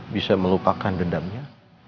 bisa melupakan dendamnya